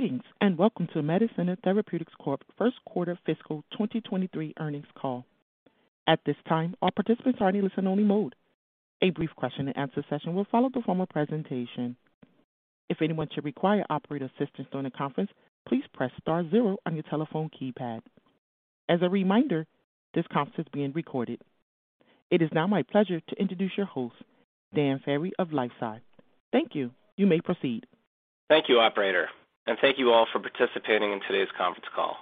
Greetings, and welcome to Medicenna Therapeutics Corp first quarter fiscal 2023 earnings call. At this time, all participants are in a listen-only mode. A brief question and answer session will follow the formal presentation. If anyone should require operator assistance during the conference, please press star zero on your telephone keypad. As a reminder, this conference is being recorded. It is now my pleasure to introduce your host, Dan Ferry of LifeSci Advisors. Thank you. You may proceed. Thank you, operator, and thank you all for participating in today's conference call.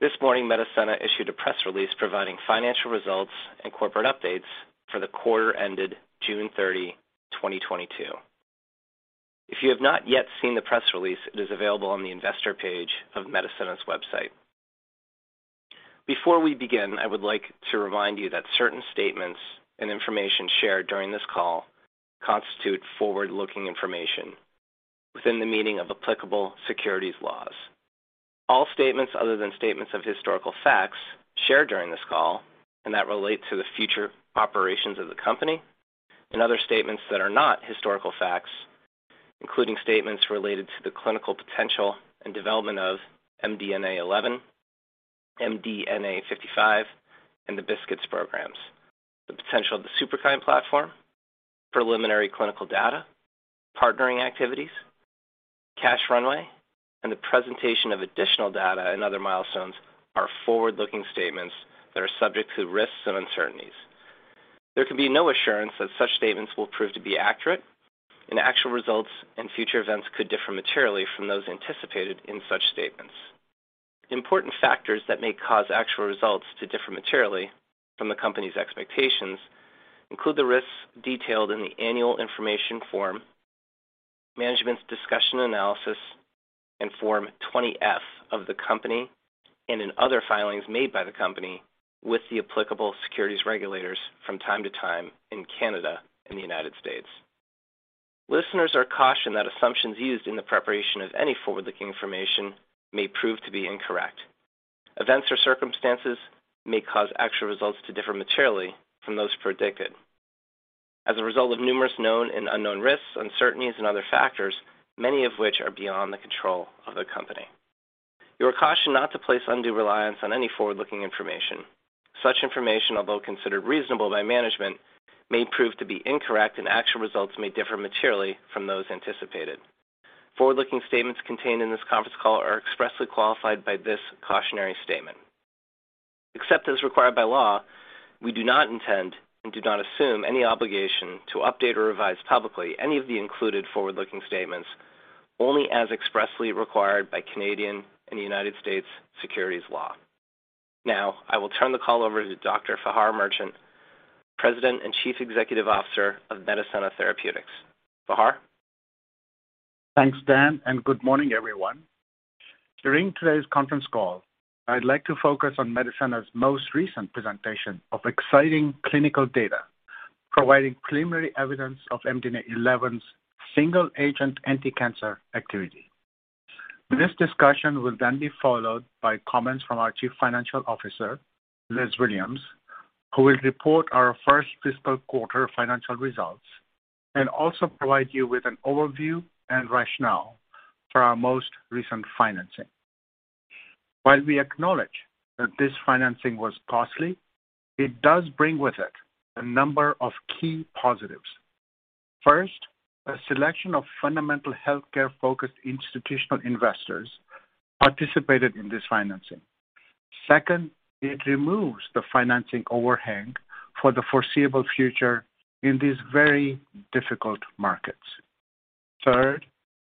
This morning, Medicenna issued a press release providing financial results and corporate updates for the quarter ended June 30, 2022. If you have not yet seen the press release, it is available on the investor page of Medicenna's website. Before we begin, I would like to remind you that certain statements and information shared during this call constitute forward-looking information within the meaning of applicable securities laws. All statements, other than statements of historical facts shared during this call and that relate to the future operations of the company and other statements that are not historical facts, including statements related to the clinical potential and development of MDNA11, MDNA55, and the BiSKITs programs. The potential of the Superkine platform, preliminary clinical data, partnering activities, cash runway, and the presentation of additional data and other milestones are forward-looking statements that are subject to risks and uncertainties. There can be no assurance that such statements will prove to be accurate, and actual results and future events could differ materially from those anticipated in such statements. Important factors that may cause actual results to differ materially from the company's expectations include the risks detailed in the annual information form, management's discussion and analysis, and Form 20-F of the company, and in other filings made by the company with the applicable securities regulators from time to time in Canada and the United States. Listeners are cautioned that assumptions used in the preparation of any forward-looking information may prove to be incorrect. Events or circumstances may cause actual results to differ materially from those predicted as a result of numerous known and unknown risks, uncertainties, and other factors, many of which are beyond the control of the company. You are cautioned not to place undue reliance on any forward-looking information. Such information, although considered reasonable by management, may prove to be incorrect, and actual results may differ materially from those anticipated. Forward-looking statements contained in this conference call are expressly qualified by this cautionary statement. Except as required by law, we do not intend and do not assume any obligation to update or revise publicly any of the included forward-looking statements, only as expressly required by Canadian and United States securities law. Now, I will turn the call over to Dr. Fahar Merchant, President and Chief Executive Officer of Medicenna Therapeutics. Fahar? Thanks, Dan, and good morning, everyone. During today's conference call, I'd like to focus on Medicenna's most recent presentation of exciting clinical data, providing preliminary evidence of MDNA11's single-agent anticancer activity. This discussion will then be followed by comments from our Chief Financial Officer, Liz Williams, who will report our first fiscal quarter financial results and also provide you with an overview and rationale for our most recent financing. While we acknowledge that this financing was costly, it does bring with it a number of key positives. First, a selection of fundamental healthcare-focused institutional investors participated in this financing. Second, it removes the financing overhang for the foreseeable future in these very difficult markets. Third,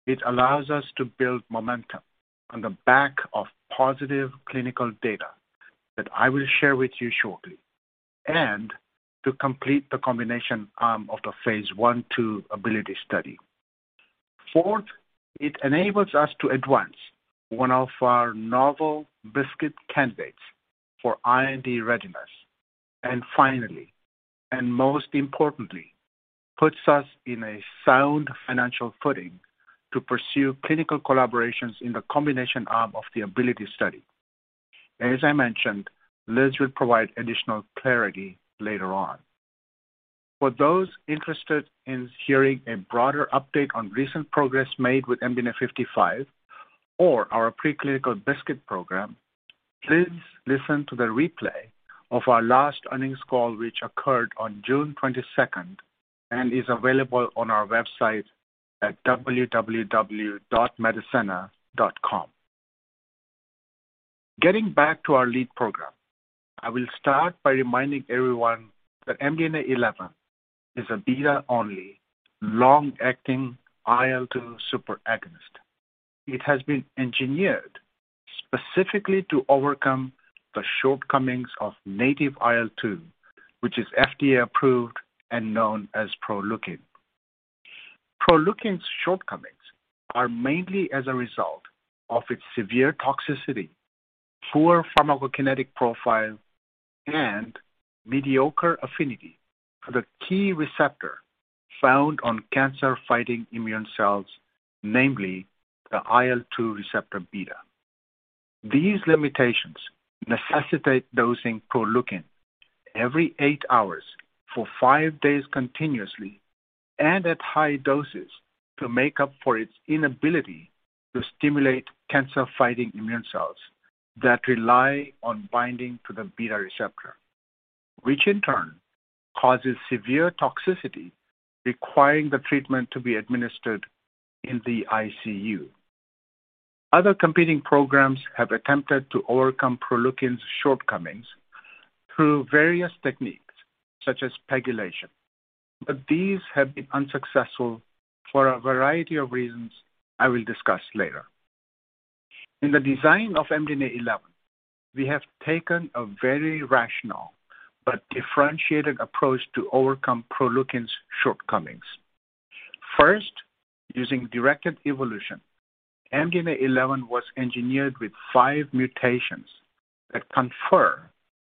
it allows us to build momentum on the back of positive clinical data that I will share with you shortly. To complete the combination arm of the phase I/II ABILITY study. Fourth, it enables us to advance one of our novel BiSKIT candidates for IND readiness. Finally, and most importantly, puts us in a sound financial footing to pursue clinical collaborations in the combination arm of the ABILITY study. As I mentioned, Liz will provide additional clarity later on. For those interested in hearing a broader update on recent progress made with MDNA55 or our preclinical BiSKIT program, please listen to the replay of our last earnings call, which occurred on June 22nd and is available on our website at www.medicenna.com. Getting back to our lead program, I will start by reminding everyone that MDNA11 is a beta-only, long-acting IL-2 superagonist. It has been engineered specifically to overcome the shortcomings of native IL-2, which is FDA approved and known as Proleukin. Proleukin's shortcomings are mainly as a result of its severe toxicity, poor pharmacokinetic profile, and mediocre affinity for the key receptor found on cancer-fighting immune cells, namely the IL-2 receptor beta. These limitations necessitate dosing Proleukin every eight hours for five days continuously and at high doses to make up for its inability to stimulate cancer-fighting immune cells that rely on binding to the beta receptor, which in turn causes severe toxicity, requiring the treatment to be administered in the ICU. Other competing programs have attempted to overcome Proleukin's shortcomings through various techniques such as pegylation, but these have been unsuccessful for a variety of reasons I will discuss later. In the design of MDNA11, we have taken a very rational but differentiated approach to overcome Proleukin's shortcomings. First, using directed evolution, MDNA11 was engineered with five mutations that confer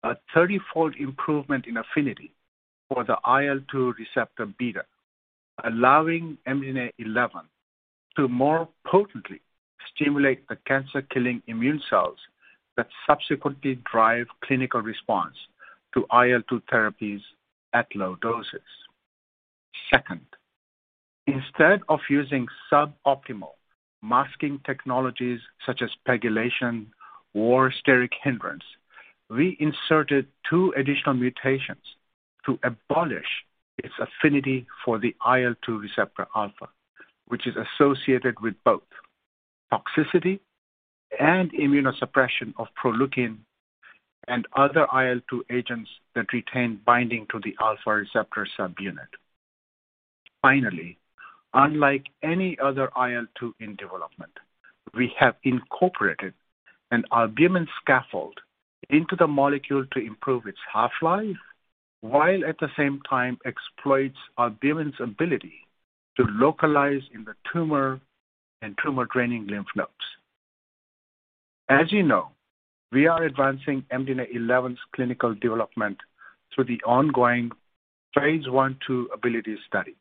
a 30-fold improvement in affinity for the IL-2 receptor beta, allowing MDNA11 to more potently stimulate the cancer-killing immune cells that subsequently drive clinical response to IL-2 therapies at low doses. Second, instead of using sub-optimal masking technologies such as pegylation or steric hindrance, we inserted two additional mutations to abolish its affinity for the IL-2 receptor alpha, which is associated with both toxicity and immunosuppression of Proleukin and other IL-2 agents that retain binding to the alpha receptor subunit. Finally, unlike any other IL-2 in development, we have incorporated an albumin scaffold into the molecule to improve its half-life, while at the same time exploits albumin's ability to localize in the tumor and tumor-draining lymph nodes. As you know, we are advancing MDNA11's clinical development through the ongoing phase I/II ABILITY study.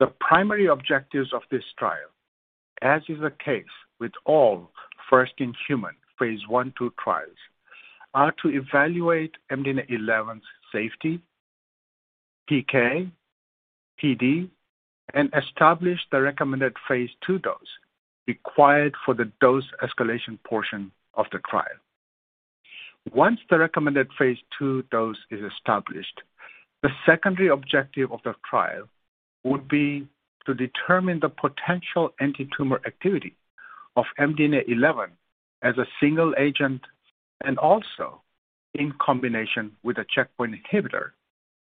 The primary objectives of this trial, as is the case with all first-in-human phase I/II trials, are to evaluate MDNA11's safety, PK, PD, and establish the recommended phase II dose required for the dose escalation portion of the trial. Once the recommended phase II dose is established, the secondary objective of the trial would be to determine the potential antitumor activity of MDNA11 as a single agent and also in combination with a checkpoint inhibitor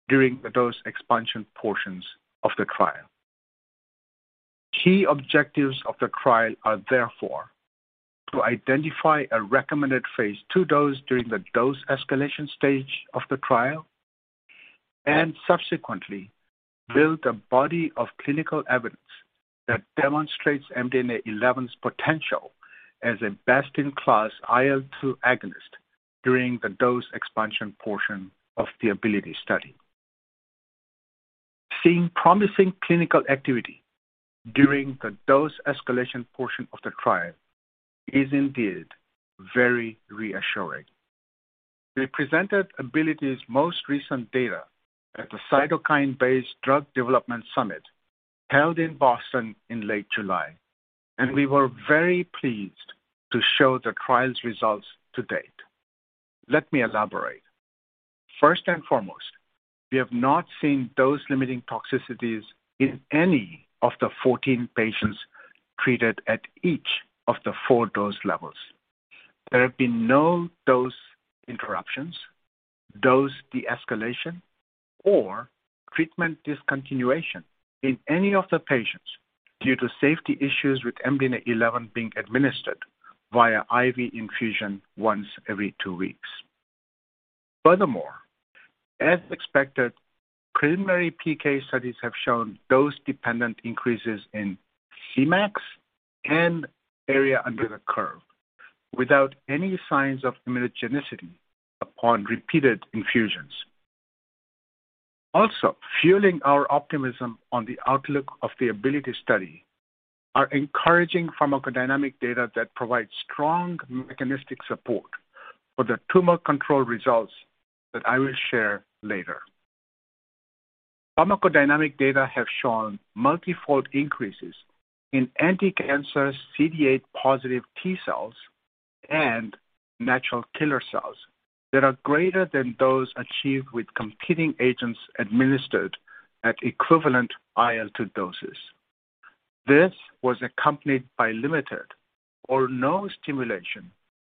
during the dose expansion portions of the trial. Key objectives of the trial are therefore to identify a recommended phase II dose during the dose escalation stage of the trial and subsequently build a body of clinical evidence that demonstrates MDNA11's potential as a best-in-class IL-2 agonist during the dose expansion portion of the ABILITY study. Seeing promising clinical activity during the dose escalation portion of the trial is indeed very reassuring. We presented ABILITY's most recent data at the Cytokine-Based Drug Development Summit held in Boston in late July, and we were very pleased to show the trial's results to date. Let me elaborate. First and foremost, we have not seen dose-limiting toxicities in any of the 14 patients treated at each of the four dose levels. There have been no dose interruptions, dose de-escalation, or treatment discontinuation in any of the patients due to safety issues with MDNA11 being administered via IV infusion once every two weeks. Furthermore, as expected, preliminary PK studies have shown dose-dependent increases in Cmax and area under the curve without any signs of immunogenicity upon repeated infusions. Also, fueling our optimism on the outlook of the ABILITY study are encouraging pharmacodynamic data that provides strong mechanistic support for the tumor control results that I will share later. Pharmacodynamic data have shown multifold increases in anticancer CD8+ T cells and natural killer cells that are greater than those achieved with competing agents administered at equivalent IL-2 doses. This was accompanied by limited or no stimulation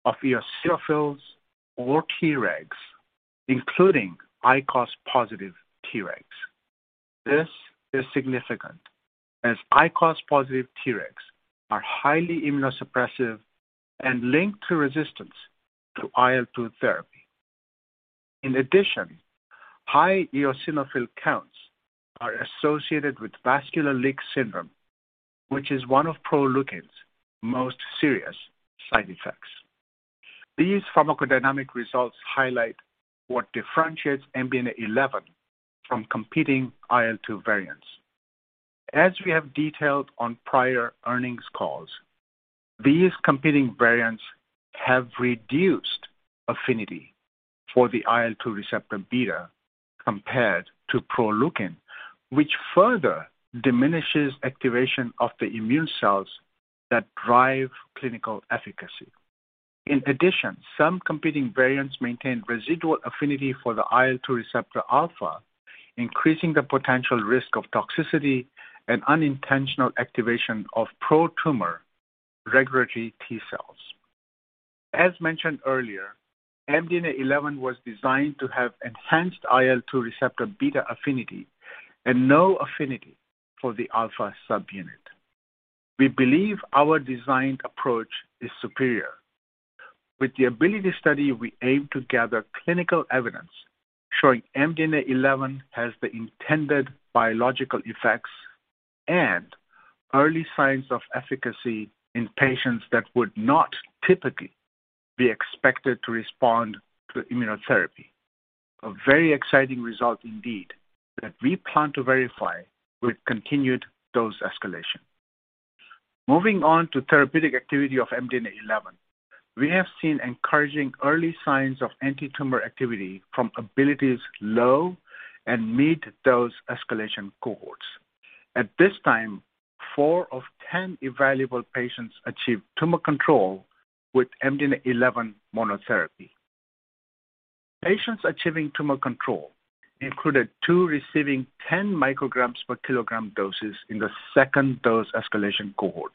of eosinophils or Tregs, including ICOS+ Tregs. This is significant as ICOS+ Tregs are highly immunosuppressive and linked to resistance to IL-2 therapy. In addition, high eosinophil counts are associated with vascular leak syndrome, which is one of Proleukin's most serious side effects. These pharmacodynamic results highlight what differentiates MDNA11 from competing IL-2 variants. As we have detailed on prior earnings calls, these competing variants have reduced affinity for the IL-2 receptor beta compared to Proleukin, which further diminishes activation of the immune cells that drive clinical efficacy. In addition, some competing variants maintain residual affinity for the IL-2 receptor alpha, increasing the potential risk of toxicity and unintentional activation of pro-tumor regulatory T cells. As mentioned earlier, MDNA11 was designed to have enhanced IL-2 receptor beta affinity and no affinity for the alpha subunit. We believe our designed approach is superior. With the ABILITY study, we aim to gather clinical evidence showing MDNA11 has the intended biological effects and early signs of efficacy in patients that would not typically be expected to respond to immunotherapy. A very exciting result indeed that we plan to verify with continued dose escalation. Moving on to therapeutic activity of MDNA11. We have seen encouraging early signs of antitumor activity from ABILITY's low- and mid-dose escalation cohorts. At this time, four of 10 evaluable patients achieved tumor control with MDNA11 monotherapy. Patients achieving tumor control included two receiving 10 micrograms per kilogram doses in the second dose escalation cohort.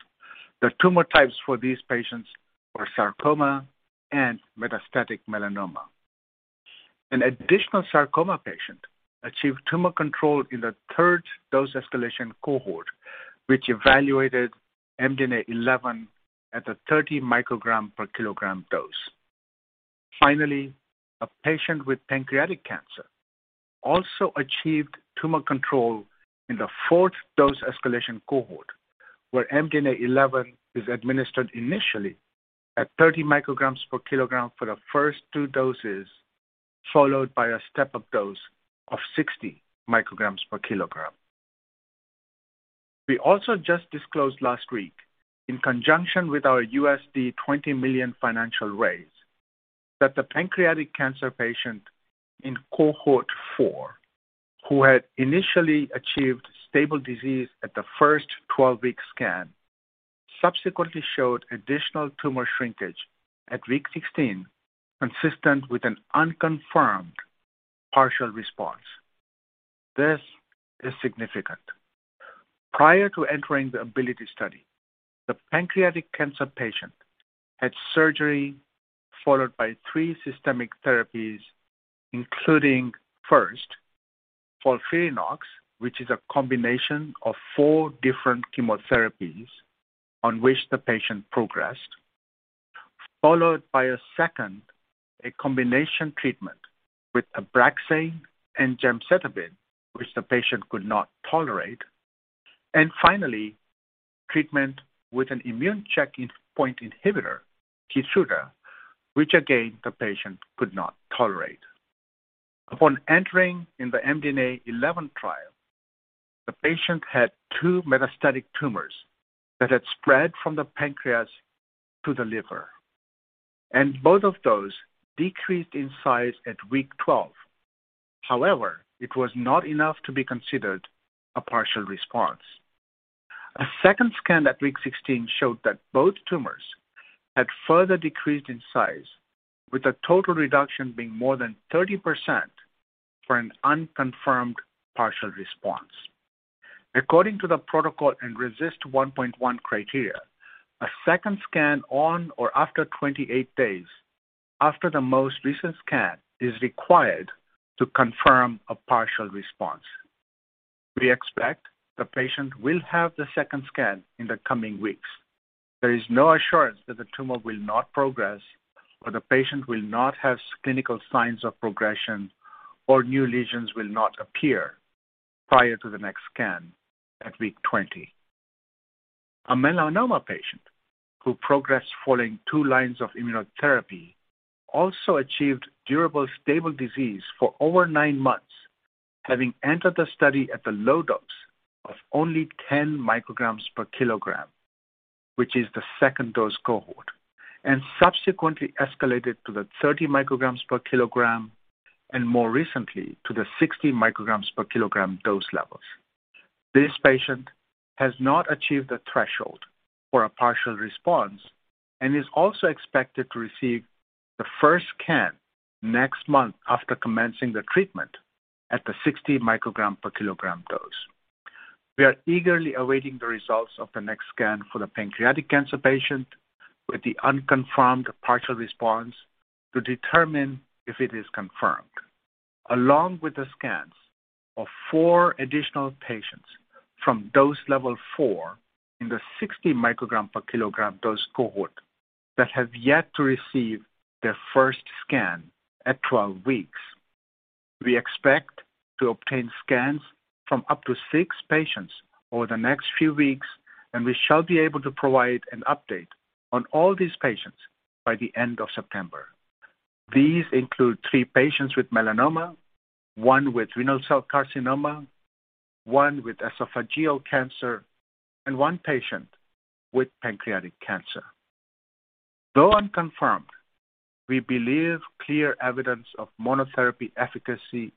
The tumor types for these patients were sarcoma and metastatic melanoma. An additional sarcoma patient achieved tumor control in the third dose escalation cohort, which evaluated MDNA11 at a 30 microgram per kilogram dose. Finally, a patient with pancreatic cancer also achieved tumor control in the fourth dose escalation cohort, where MDNA11 is administered initially at 30 micrograms per kilogram for the first two doses, followed by a step-up dose of 60 micrograms per kilogram. We also just disclosed last week, in conjunction with our $20 million financial raise, that the pancreatic cancer patient in cohort 4, who had initially achieved stable disease at the first 12-week scan, subsequently showed additional tumor shrinkage at week 16, consistent with an unconfirmed partial response. This is significant. Prior to entering the ABILITY study, the pancreatic cancer patient had surgery followed by three systemic therapies, including first FOLFIRINOX, which is a combination of four different chemotherapies on which the patient progressed, followed by a second, a combination treatment with Abraxane and Gemcitabine, which the patient could not tolerate, and finally, treatment with an immune checkpoint inhibitor, Keytruda, which again, the patient could not tolerate. Upon entering in the MDNA11 trial, the patient had two metastatic tumors that had spread from the pancreas to the liver, and both of those decreased in size at week 12. However, it was not enough to be considered a partial response. A second scan at week 16 showed that both tumors had further decreased in size, with the total reduction being more than 30% for an unconfirmed partial response. According to the protocol and RECIST 1.1 criteria, a second scan on or after 28 days after the most recent scan is required to confirm a partial response. We expect the patient will have the second scan in the coming weeks. There is no assurance that the tumor will not progress, or the patient will not have clinical signs of progression, or new lesions will not appear prior to the next scan at week 20. A melanoma patient who progressed following two lines of immunotherapy also achieved durable stable disease for over nine months, having entered the study at the low dose of only 10 micrograms per kilogram, which is the second dose cohort, and subsequently escalated to the 30 micrograms per kilogram and more recently to the 60 micrograms per kilogram dose levels. This patient has not achieved the threshold for a partial response and is also expected to receive the first scan next month after commencing the treatment at the 60 microgram per kilogram dose. We are eagerly awaiting the results of the next scan for the pancreatic cancer patient with the unconfirmed partial response to determine if it is confirmed, along with the scans of four additional patients from dose level four in the 60 microgram per kilogram dose cohort that have yet to receive their first scan at 12 weeks. We expect to obtain scans from up to six patients over the next few weeks, and we shall be able to provide an update on all these patients by the end of September. These include three patients with melanoma, one with renal cell carcinoma, one with esophageal cancer, and one patient with pancreatic cancer. Though unconfirmed, we believe clear evidence of monotherapy efficacy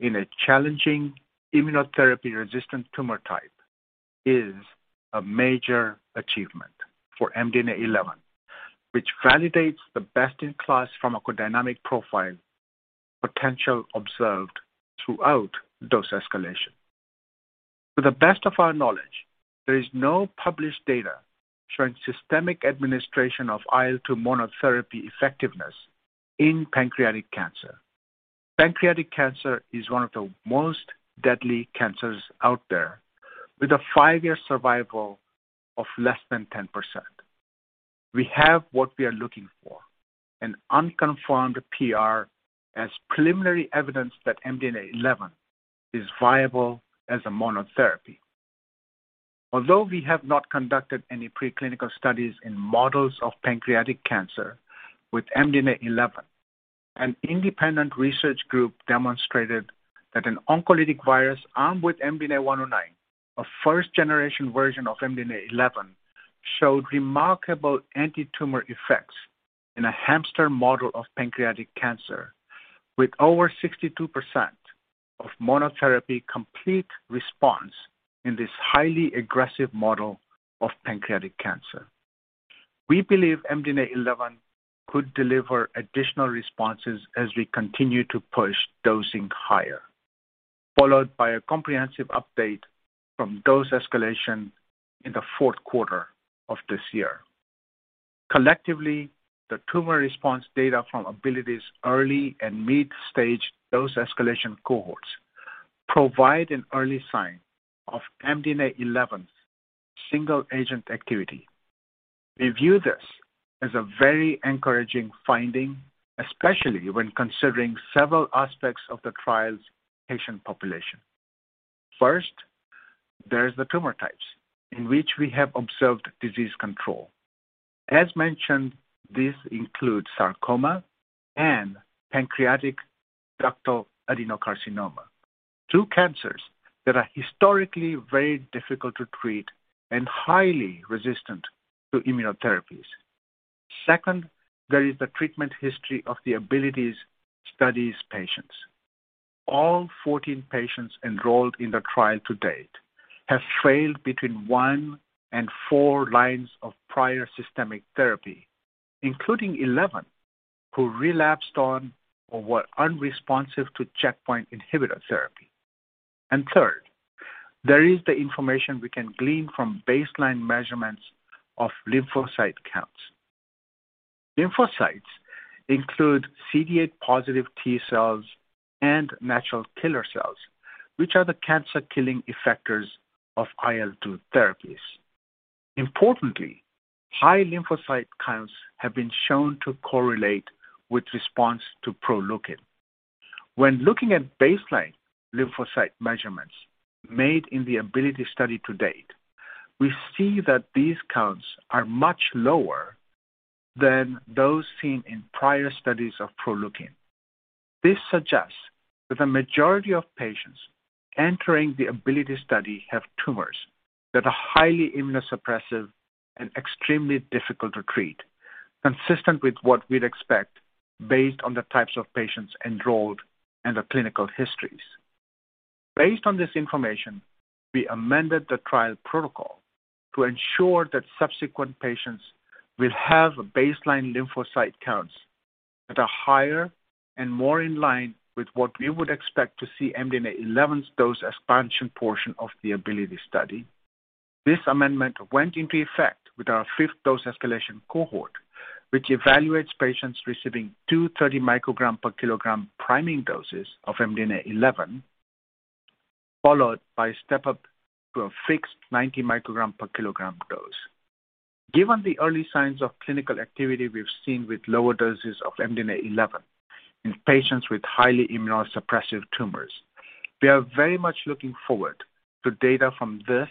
in a challenging immunotherapy-resistant tumor type is a major achievement for MDNA11, which validates the best-in-class pharmacodynamic profile potential observed throughout dose escalation. To the best of our knowledge, there is no published data showing systemic administration of IL-2 monotherapy effectiveness in pancreatic cancer. Pancreatic cancer is one of the most deadly cancers out there, with a five-year survival of less than 10%. We have what we are looking for, an unconfirmed PR as preliminary evidence that MDNA11 is viable as a monotherapy. Although we have not conducted any preclinical studies in models of pancreatic cancer with MDNA11, an independent research group demonstrated that an oncolytic virus armed with MDNA109, a first-generation version of MDNA11, showed remarkable antitumor effects in a hamster model of pancreatic cancer, with over 62% of monotherapy complete response in this highly aggressive model of pancreatic cancer. We believe MDNA11 could deliver additional responses as we continue to push dosing higher, followed by a comprehensive update from dose escalation in the fourth quarter of this year. Collectively, the tumor response data from ABILITY's early and midstage dose escalation cohorts provide an early sign of MDNA11's single-agent activity. We view this as a very encouraging finding, especially when considering several aspects of the trial's patient population. First, there is the tumor types in which we have observed disease control. As mentioned, this includes sarcoma and pancreatic ductal adenocarcinoma, two cancers that are historically very difficult to treat and highly resistant to immunotherapies. Second, there is the treatment history of the ABILITY study's patients. All 14 patients enrolled in the trial to date have failed between one and four lines of prior systemic therapy, including 11 who relapsed on or were unresponsive to checkpoint inhibitor therapy. Third, there is the information we can glean from baseline measurements of lymphocyte counts. Lymphocytes include CD8+ T cells and natural killer cells, which are the cancer-killing effectors of IL-2 therapies. Importantly, high lymphocyte counts have been shown to correlate with response to Proleukin. When looking at baseline lymphocyte measurements made in the ABILITY study to date, we see that these counts are much lower than those seen in prior studies of Proleukin. This suggests that the majority of patients entering the ABILITY study have tumors that are highly immunosuppressive and extremely difficult to treat, consistent with what we'd expect based on the types of patients enrolled and their clinical histories. Based on this information, we amended the trial protocol to ensure that subsequent patients will have baseline lymphocyte counts that are higher and more in line with what we would expect to see MDNA11's dose expansion portion of the ABILITY study. This amendment went into effect with our fifth dose escalation cohort, which evaluates patients receiving 230 microgram per kilogram priming doses of MDNA11, followed by a step-up to a fixed 90 microgram per kilogram dose. Given the early signs of clinical activity we've seen with lower doses of MDNA11 in patients with highly immunosuppressive tumors, we are very much looking forward to data from this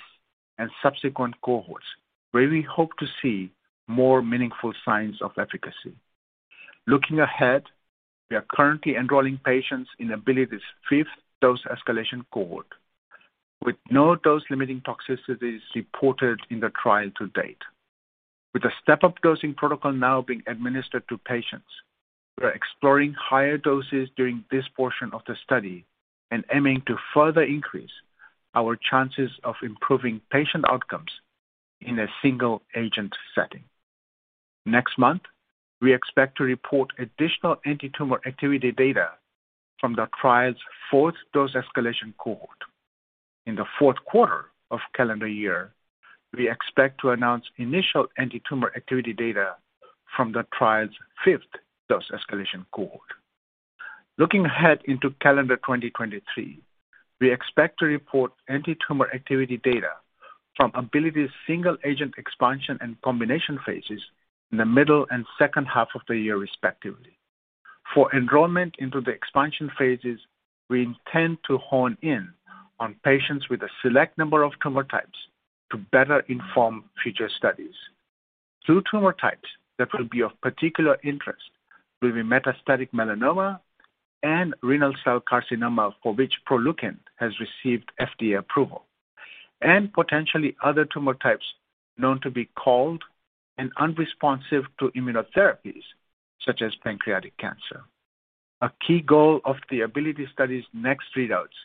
and subsequent cohorts where we hope to see more meaningful signs of efficacy. Looking ahead, we are currently enrolling patients in ABILITY's fifth dose escalation cohort with no dose-limiting toxicities reported in the trial to date. With the step-up dosing protocol now being administered to patients, we are exploring higher doses during this portion of the study and aiming to further increase our chances of improving patient outcomes in a single agent setting. Next month, we expect to report additional antitumor activity data from the trial's fourth dose escalation cohort. In the fourth quarter of calendar year, we expect to announce initial antitumor activity data from the trial's fifth dose escalation cohort. Looking ahead into calendar 2023, we expect to report antitumor activity data from ABILITY's single-agent expansion and combination phases in the middle and second half of the year, respectively. For enrollment into the expansion phases, we intend to hone in on patients with a select number of tumor types to better inform future studies. Two tumor types that will be of particular interest will be metastatic melanoma and renal cell carcinoma, for which Proleukin has received FDA approval, and potentially other tumor types known to be cold and unresponsive to immunotherapies, such as pancreatic cancer. A key goal of the ABILITY study's next readouts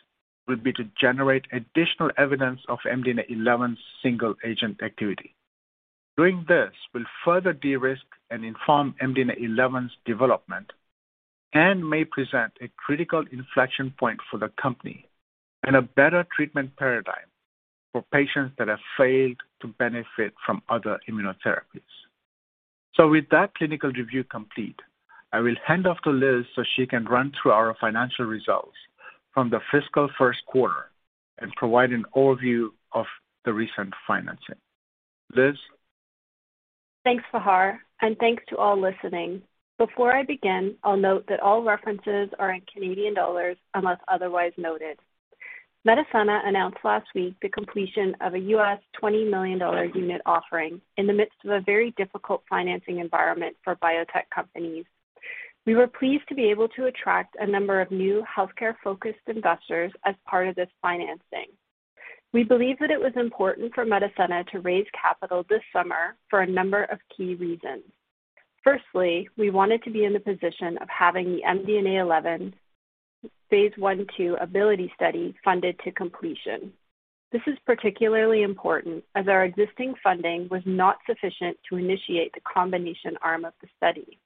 will be to generate additional evidence of MDNA11's single-agent activity. Doing this will further de-risk and inform MDNA11's development and may present a critical inflection point for the company and a better treatment paradigm for patients that have failed to benefit from other immunotherapies. With that clinical review complete, I will hand off to Liz so she can run through our financial results from the fiscal first quarter and provide an overview of the recent financing. Liz? Thanks, Fahar, and thanks to all listening. Before I begin, I'll note that all references are in Canadian dollars, unless otherwise noted. Medicenna announced last week the completion of a $20 million unit offering in the midst of a very difficult financing environment for biotech companies. We were pleased to be able to attract a number of new healthcare-focused investors as part of this financing. We believe that it was important for Medicenna to raise capital this summer for a number of key reasons. Firstly, we wanted to be in the position of having the MDNA11 phase I/II ABILITY study funded to completion. This is particularly important as our existing funding was not sufficient to initiate the combination arm of the study.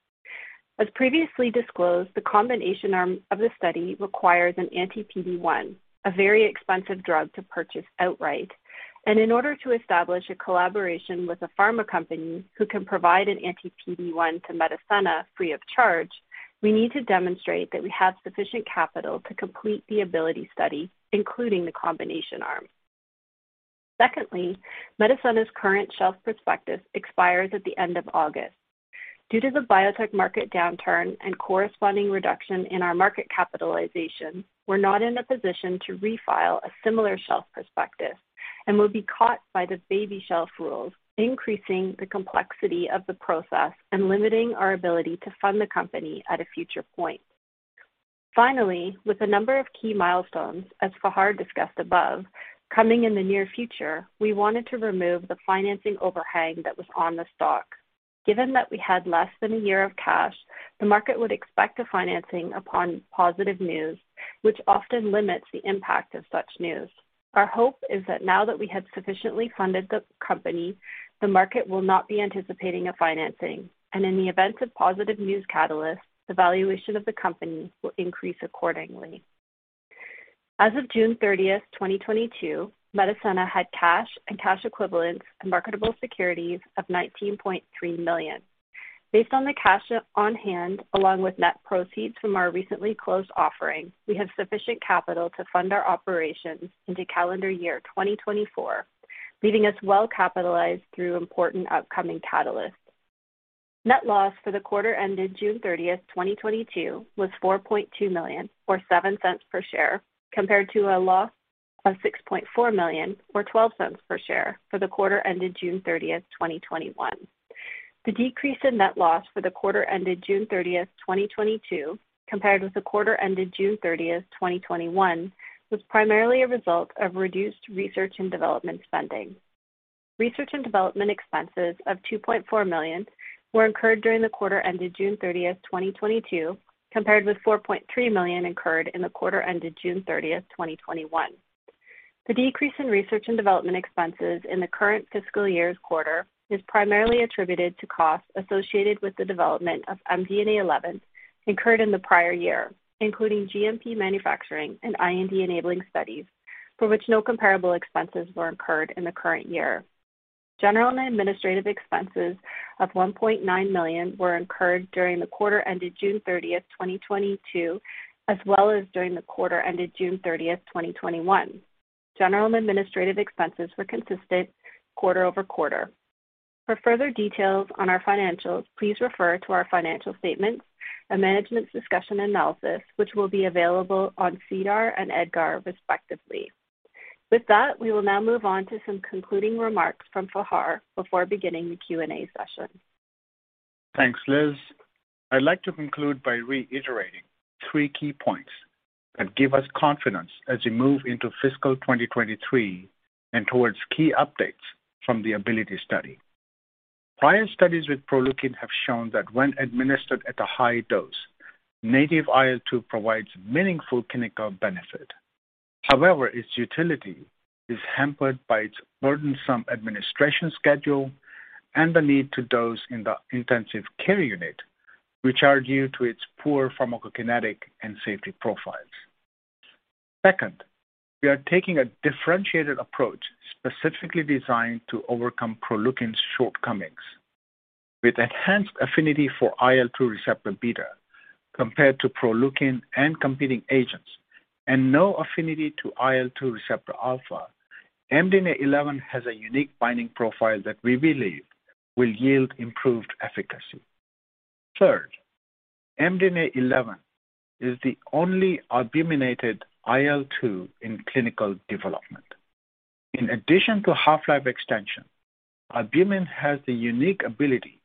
As previously disclosed, the combination arm of the study requires an anti-PD-1, a very expensive drug to purchase outright. In order to establish a collaboration with a pharma company who can provide an anti-PD-1 to Medicenna free of charge, we need to demonstrate that we have sufficient capital to complete the ABILITY study, including the combination arm. Secondly, Medicenna's current shelf prospectus expires at the end of August. Due to the biotech market downturn and corresponding reduction in our market capitalization, we're not in a position to refile a similar shelf prospectus and will be caught by the Baby Shelf Rules, increasing the complexity of the process and limiting our ability to fund the company at a future point. Finally, with a number of key milestones, as Fahar discussed above, coming in the near future, we wanted to remove the financing overhang that was on the stock. Given that we had less than a year of cash, the market would expect a financing upon positive news, which often limits the impact of such news. Our hope is that now that we have sufficiently funded the company, the market will not be anticipating a financing, and in the event of positive news catalyst, the valuation of the company will increase accordingly. As of June 30, 2022, Medicenna had cash and cash equivalents and marketable securities of 19.3 million. Based on the cash on hand, along with net proceeds from our recently closed offering, we have sufficient capital to fund our operations into calendar year 2024, leaving us well-capitalized through important upcoming catalysts. Net loss for the quarter ended June 30, 2022 was 4.2 million or 0.07 per share, compared to a loss of 6.4 million or 0.12 per share for the quarter ended June 30, 2021. The decrease in net loss for the quarter ended June 30, 2022 compared with the quarter ended June 30, 2021 was primarily a result of reduced research and development spending. Research and development expenses of 2.4 million were incurred during the quarter ended June 30, 2022, compared with 4.3 million incurred in the quarter ended June 30, 2021. The decrease in research and development expenses in the current fiscal year's quarter is primarily attributed to costs associated with the development of MDNA11 incurred in the prior year, including GMP manufacturing and IND enabling studies for which no comparable expenses were incurred in the current year. General and administrative expenses of 1.9 million were incurred during the quarter ended June thirtieth, 2022, as well as during the quarter ended June thirtieth, 2021. General and administrative expenses were consistent quarter-over-quarter. For further details on our financials, please refer to our financial statements, management's discussion and analysis which will be available on SEDAR and EDGAR, respectively. With that, we will now move on to some concluding remarks from Fahar before beginning the Q&A session. Thanks, Liz. I'd like to conclude by reiterating three key points that give us confidence as we move into fiscal 2023 and towards key updates from the ABILITY study. Prior studies with Proleukin have shown that when administered at a high dose, native IL-2 provides meaningful clinical benefit. However, its utility is hampered by its burdensome administration schedule and the need to dose in the intensive care unit, which are due to its poor pharmacokinetic and safety profiles. Second, we are taking a differentiated approach specifically designed to overcome Proleukin's shortcomings. With enhanced affinity for IL-2 receptor beta compared to Proleukin and competing agents and no affinity to IL-2 receptor alpha, MDNA11 has a unique binding profile that we believe will yield improved efficacy. Third, MDNA11 is the only albuminated IL-2 in clinical development. In addition to half-life extension, albumin has the unique ability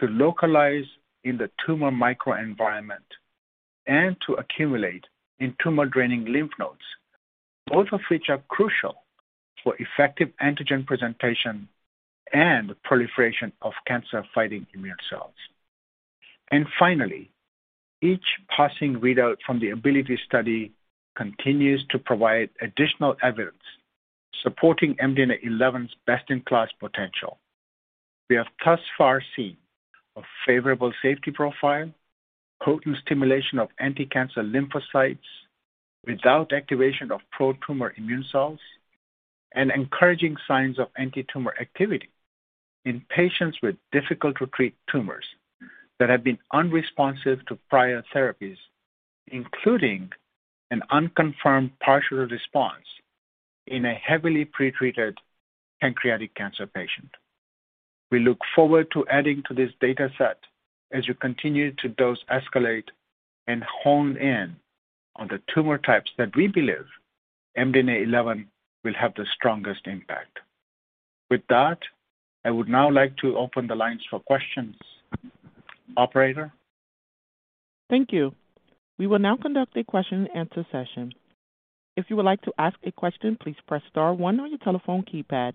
to localize in the tumor microenvironment and to accumulate in tumor-draining lymph nodes, both of which are crucial for effective antigen presentation and proliferation of cancer-fighting immune cells. Finally, each passing readout from the ABILITY study continues to provide additional evidence supporting MDNA11's best-in-class potential. We have thus far seen a favorable safety profile, potent stimulation of anticancer lymphocytes without activation of pro-tumor immune cells, and encouraging signs of antitumor activity in patients with difficult-to-treat tumors that have been unresponsive to prior therapies, including an unconfirmed partial response in a heavily pretreated pancreatic cancer patient. We look forward to adding to this data set as we continue to dose escalate and hone in on the tumor types that we believe MDNA11 will have the strongest impact. With that, I would now like to open the lines for questions. Operator? Thank you. We will now conduct a question and answer session. If you would like to ask a question, please press star one on your telephone keypad.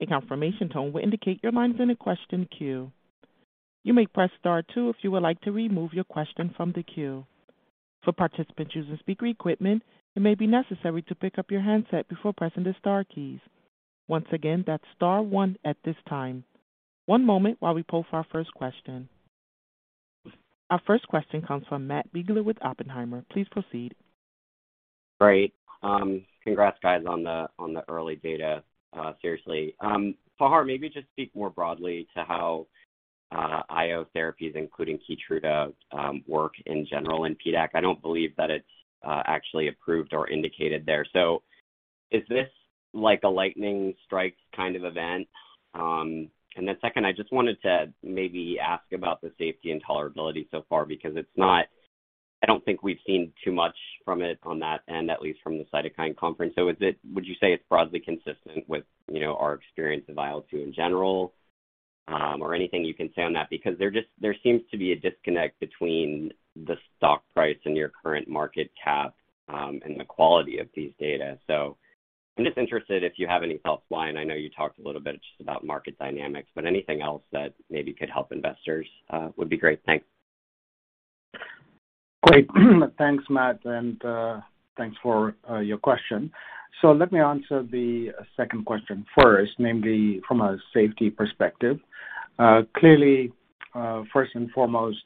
A confirmation tone will indicate your line is in a question queue. You may press star two if you would like to remove your question from the queue. For participants using speaker equipment, it may be necessary to pick up your handset before pressing the star keys. Once again, that's star one at this time. One moment while we poll for our first question. Our first question comes from Matt Biegler with Oppenheimer. Please proceed. Great. Congrats guys on the early data, seriously. Fahar, maybe just speak more broadly to how IO therapies, including Keytruda, work in general in PDAC. I don't believe that it's actually approved or indicated there. Is this like a lightning strikes kind of event? Second, I just wanted to maybe ask about the safety and tolerability so far because it's not. I don't think we've seen too much from it on that end, at least from the cytokine conference. Would you say it's broadly consistent with, you know, our experience of IL-2 in general, or anything you can say on that? Because there seems to be a disconnect between the stock price and your current market cap, and the quality of these data. I'm just interested if you have any thoughts why, and I know you talked a little bit just about market dynamics, but anything else that maybe could help investors, would be great. Thanks. Great. Thanks, Matt, and thanks for your question. Let me answer the second question first, namely from a safety perspective. Clearly, first and foremost,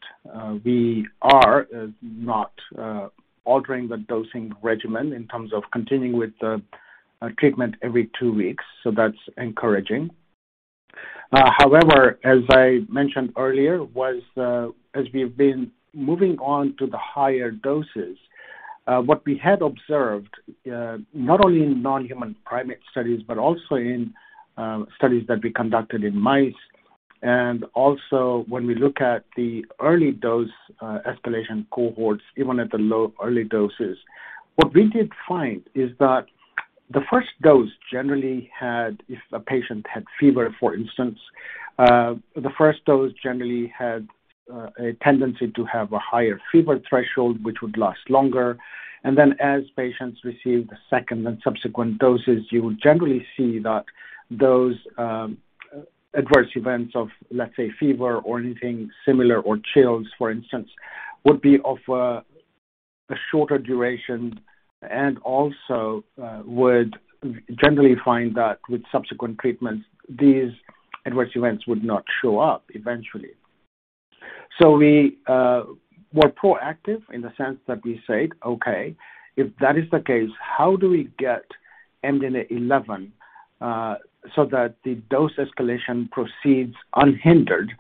we are not altering the dosing regimen in terms of continuing with the treatment every two weeks, so that's encouraging. However, as I mentioned earlier, as we've been moving on to the higher doses, what we had observed, not only in non-human primate studies but also in studies that we conducted in mice and also when we look at the early dose escalation cohorts, even at the low early doses, what we did find is that the first dose generally had, if a patient had fever, for instance, a tendency to have a higher fever threshold which would last longer and then as patients received the second and subsequent doses, you would generally see that those adverse events of, let's say, fever or anything similar or chills, for instance, would be of a shorter duration and also would generally find that with subsequent treatments, these adverse events would not show up eventually. We were proactive in the sense that we said, "Okay, if that is the case, how do we get MDNA11 so that the dose escalation proceeds unhindered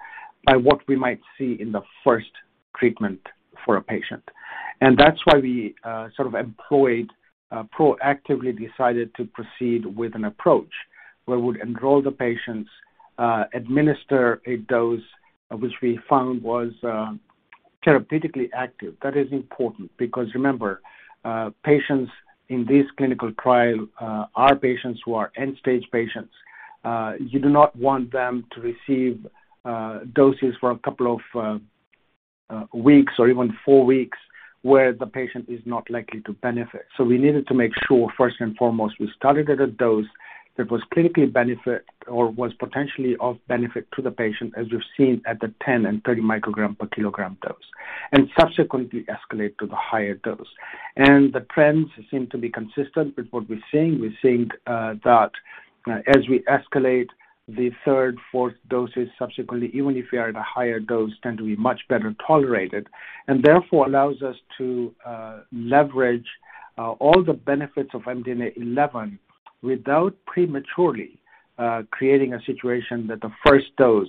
by what we might see in the first treatment for a patient?" That's why we sort of employed proactively decided to proceed with an approach where we'd enroll the patients, administer a dose which we found was therapeutically active. That is important because remember, patients in this clinical trial are patients who are end-stage patients. You do not want them to receive doses for a couple of weeks or even four weeks where the patient is not likely to benefit. We needed to make sure first and foremost we started at a dose that was clinically beneficial or was potentially of benefit to the patient as we've seen at the 10 and 30 microgram per kilogram dose, and subsequently escalate to the higher dose. The trends seem to be consistent with what we're seeing. We're seeing that as we escalate the third, fourth doses subsequently, even if they are at a higher dose, tend to be much better tolerated and therefore allows us to leverage all the benefits of MDNA11 without prematurely creating a situation that the first dose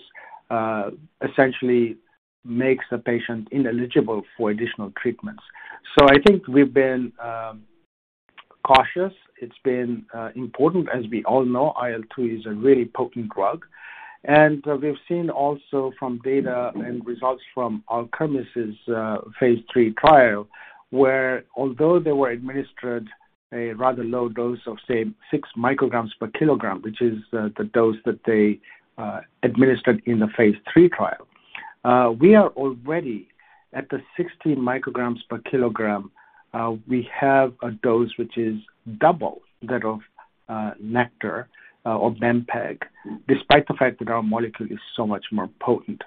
essentially makes the patient ineligible for additional treatments. I think we've been cautious. It's been important. As we all know, IL-2 is a really potent drug, and we've seen also from data and results from Nektar's phase III trial, where although they were administered a rather low dose of, say, 6 micrograms per kilogram, which is the dose that they administered in the phase III trial. We are already at the 60 micrograms per kilogram. We have a dose which is double that of Nektar or bempegaldesleukin, despite the fact that our molecule is so much more potent.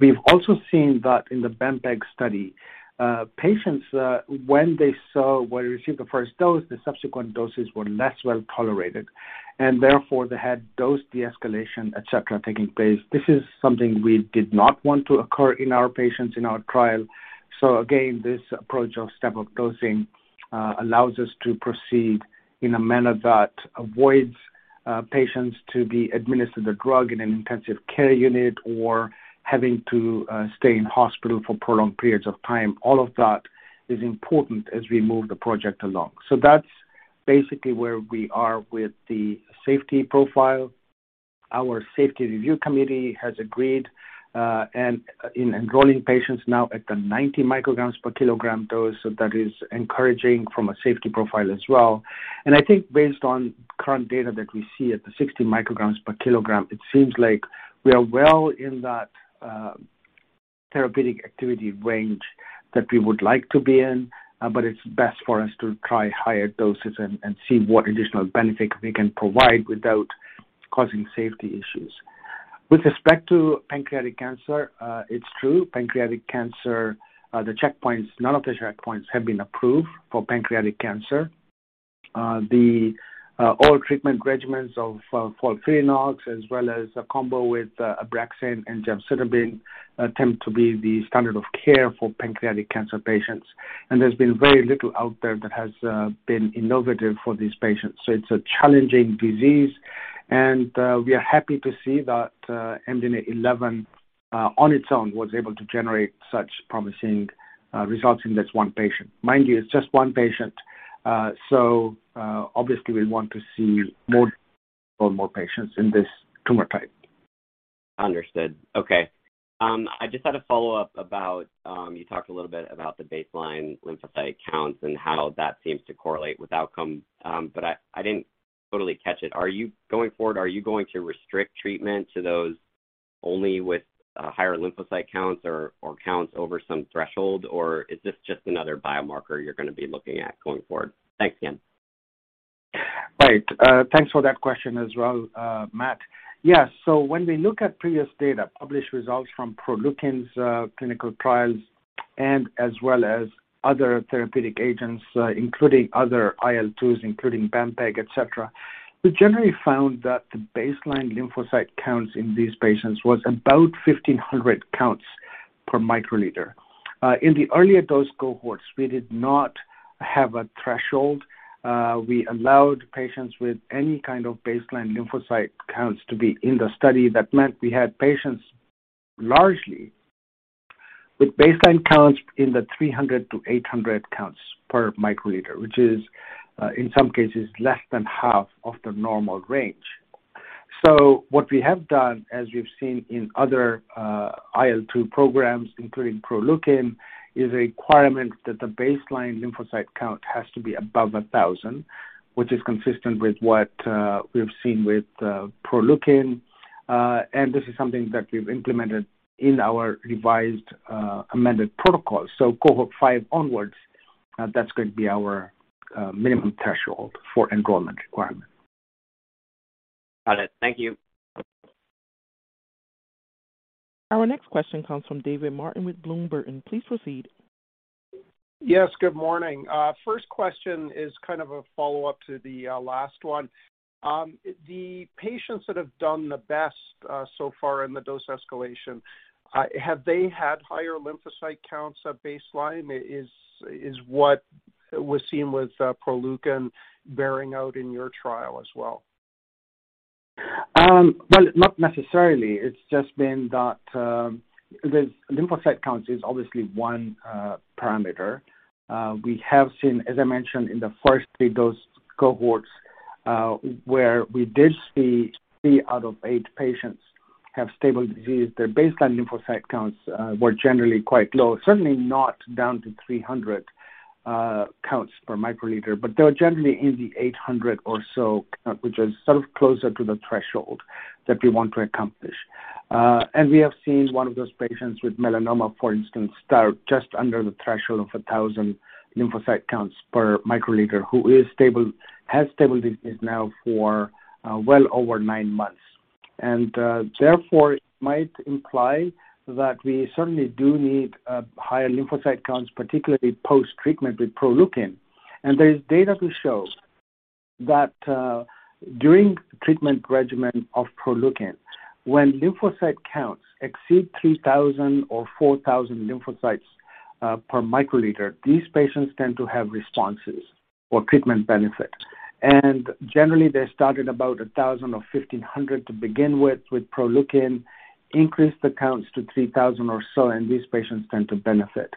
We've also seen that in the bempegaldesleukin study, patients, when they received the first dose, the subsequent doses were less well-tolerated, and therefore they had dose de-escalation, et cetera, taking place. This is something we did not want to occur in our patients in our trial. Again, this approach of step-up dosing allows us to proceed in a manner that avoids patients to be administered the drug in an intensive care unit or having to stay in hospital for prolonged periods of time. All of that is important as we move the project along. That's basically where we are with the safety profile. Our safety review committee has agreed and in enrolling patients now at the 90 micrograms per kilogram dose, so that is encouraging from a safety profile as well. I think based on current data that we see at the 60 micrograms per kilogram, it seems like we are well in that therapeutic activity range that we would like to be in, but it's best for us to try higher doses and see what additional benefits we can provide without causing safety issues. With respect to pancreatic cancer, it's true, pancreatic cancer, the checkpoints, none of the checkpoints have been approved for pancreatic cancer. All treatment regimens of FOLFIRINOX as well as a combo with Abraxane and Gemcitabine tend to be the standard of care for pancreatic cancer patients. There's been very little out there that has been innovative for these patients. It's a challenging disease and we are happy to see that MDNA11 on its own was able to generate such promising results in this one patient. Mind you, it's just one patient, so obviously we want to see more patients in this tumor type. Understood. Okay. I just had a follow-up about you talked a little bit about the baseline lymphocyte counts and how that seems to correlate with outcome. But I didn't totally catch it. Going forward, are you going to restrict treatment to those only with higher lymphocyte counts or counts over some threshold? Or is this just another biomarker you're gonna be looking at going forward? Thanks again. Right. Thanks for that question as well, Matt. Yes. When we look at previous data, published results from Proleukin's clinical trials and as well as other therapeutic agents, including other IL-2s, including bempegaldesleukin, etcetera, we generally found that the baseline lymphocyte counts in these patients was about 1,500 counts per microliter. In the earlier dose cohorts, we did not have a threshold. We allowed patients with any kind of baseline lymphocyte counts to be in the study. That meant we had patients largely with baseline counts in the 300-800 counts per microliter, which is in some cases less than half of the normal range. What we have done, as you've seen in other IL-2 programs, including Proleukin, is a requirement that the baseline lymphocyte count has to be above 1,000, which is consistent with what we've seen with Proleukin. This is something that we've implemented in our revised amended protocol. Cohort 5 onwards, that's going to be our minimum threshold for enrollment requirement. Got it. Thank you. Our next question comes from David Martin with Bloom Burton. Please proceed. Yes, good morning. First question is kind of a follow-up to the last one. The patients that have done the best so far in the dose escalation have they had higher lymphocyte counts at baseline? Is what was seen with Proleukin bearing out in your trial as well? Well, not necessarily. It's just been that, the lymphocyte count is obviously one parameter. We have seen, as I mentioned in the first three dose cohorts, where we did see 3 out of 8 patients have stable disease. Their baseline lymphocyte counts were generally quite low, certainly not down to 300 counts per microliter, but they were generally in the 800 or so, which is sort of closer to the threshold that we want to accomplish. We have seen one of those patients with melanoma, for instance, start just under the threshold of 1,000 lymphocyte counts per microliter, who is stable, has stable disease now for, well over nine months. Therefore, it might imply that we certainly do need higher lymphocyte counts, particularly post-treatment with Proleukin. There is data to show that, during treatment regimen of Proleukin, when lymphocyte counts exceed 3,000 or 4,000 lymphocytes per microliter, these patients tend to have responses or treatment benefit. Generally, they start at about 1,000 or 1,500 to begin with Proleukin, increase the counts to 3,000 or so, and these patients tend to benefit.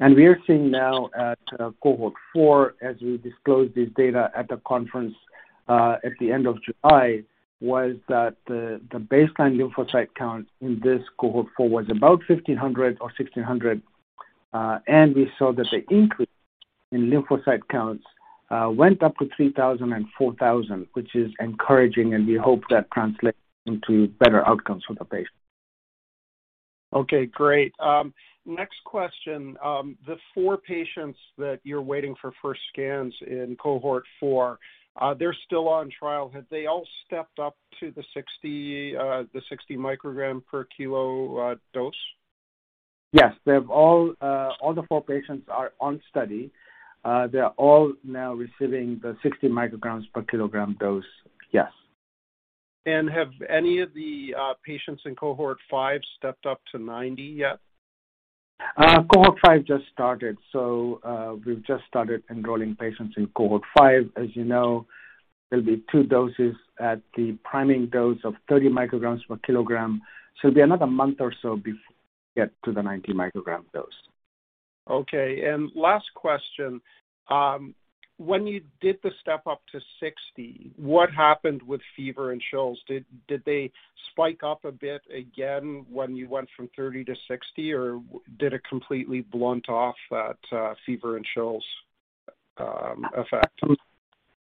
We are seeing now at cohort 4, as we disclose this data at the conference at the end of July, that the baseline lymphocyte count in this cohort 4 was about 1,500 or 1,600, and we saw that the increase in lymphocyte counts went up to 3,000 and 4,000, which is encouraging, and we hope that translates into better outcomes for the patient. Okay, great. Next question. The four patients that you're waiting for first scans in cohort four, they're still on trial. Have they all stepped up to the 60 microgram per kilo dose? Yes. They have all the four patients are on study. They're all now receiving the 60 micrograms per kilogram dose. Yes. Have any of the patients in cohort 5 stepped up to 90 yet? Cohort 5 just started, so we've just started enrolling patients in Cohort 5. As you know, there'll be two doses at the priming dose of 30 micrograms per kilogram. It'll be another month or so before we get to the 90 microgram dose. Okay. Last question. When you did the step up to 60, what happened with fever and chills? Did they spike up a bit again when you went from 30 to 60, or did it completely blunt off that fever and chills effect?